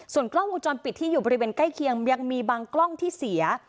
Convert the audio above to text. ส่วนกล้องวงจรปิดที่อยู่บริเวณใกล้เคียงยังมีบางกล้องที่เสีย